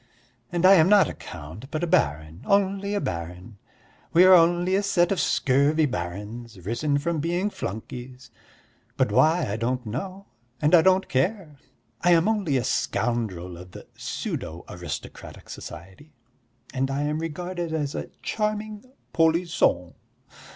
And I am not a count but a baron, only a baron. We are only a set of scurvy barons, risen from being flunkeys, but why I don't know and I don't care. I am only a scoundrel of the pseudo aristocratic society, and I am regarded as 'a charming polis son.'